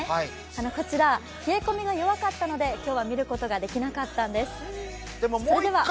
こちら冷え込みが弱かったので今日は見ることができなかったんです。